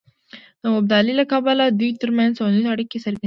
د مبادلې له کبله د دوی ترمنځ ټولنیزې اړیکې څرګندېږي